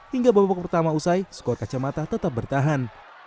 hingga babak pertama usai skor kacamata tetap bertahan